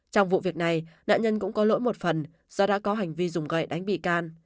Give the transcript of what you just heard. trong vụ việc này nạn nhân cũng có lỗi một phần do đã có hành vi dùng gậy đánh bị can